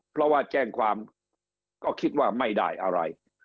เพราะว่าแจ้งความก็คิดว่าไม่ได้อะไร